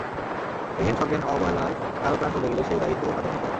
এহেন সজ্ঞান অবহেলায় কারও প্রাণ চলে গেলে সেই দায়িত্বও তাঁদের নিতে হবে।